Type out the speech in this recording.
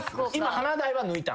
華大抜いた？